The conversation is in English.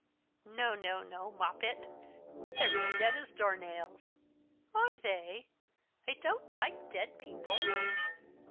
"No, no, no, Moppet, they're as dead as door nails." "Are they? I don't like dead people."